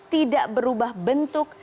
tidak berubah bentuk